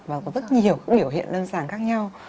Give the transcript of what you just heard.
và có rất nhiều biểu hiện lâm sàng khác nhau